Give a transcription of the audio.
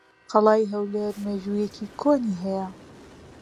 قەڵای هەولێر مێژوویەکی کۆنی ھەیە.